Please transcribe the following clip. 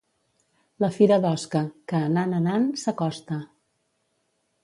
La fira d'Osca, que anant, anant, s'acosta.